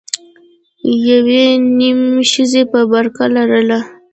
يوې نيمې ښځې به برقه لرله.